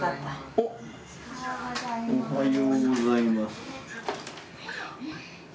おはようございます。